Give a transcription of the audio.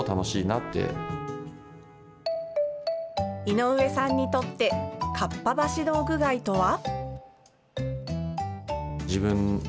井上さんにとってかっぱ橋道具街とは？